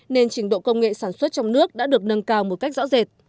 nên trình độ công nghệ sản xuất trong nước đã được nâng cao một cách rõ rệt